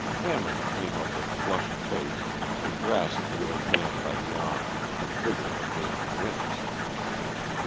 Hammond came up with flushed face, and grasped the old man by the arm with a vigour that made him wince.